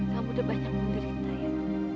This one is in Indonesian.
kamu udah banyak menghidupkan raka ya